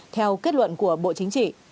theo kết luận của bộ chính trị